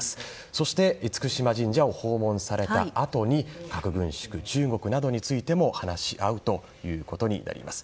そして、厳島神社を訪問されたあとに核軍縮、中国などについても話し合うことになります。